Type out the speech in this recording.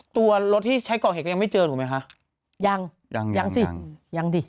ตัวรถที่ใช้กอกเน็ตยังไม่เจอถูกมั้ยคะยังยังยังยังสิยังดิ